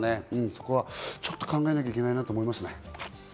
そこはちょっと考えていかないといけないと思いますね。